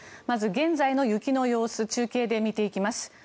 まず、現在の雪の様子中継で見ていきます。